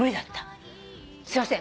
すいません。